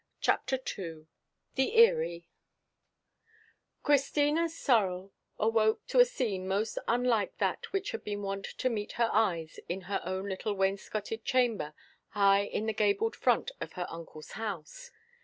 CHAPTER II THE EYRIE CHRISTINA SOREL awoke to a scene most unlike that which had been wont to meet her eyes in her own little wainscoted chamber high in the gabled front of her uncle's house.